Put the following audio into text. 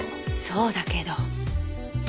そうだけど。